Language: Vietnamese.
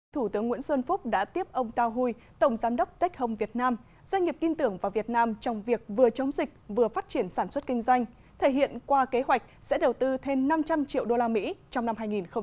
thủ tướng nguyễn xuân phúc đã tiếp ông tao huy tổng giám đốc tech home việt nam doanh nghiệp tin tưởng vào việt nam trong việc vừa chống dịch vừa phát triển sản xuất kinh doanh thể hiện qua kế hoạch sẽ đầu tư thêm năm trăm linh triệu usd trong năm hai nghìn hai mươi